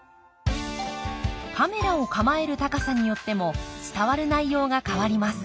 カメラを構える高さによっても伝わる内容が変わります。